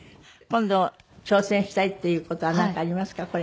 今度挑戦したいっていう事はなんかありますか？